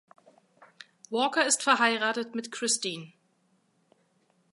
Walker ist verheiratet mit Christine.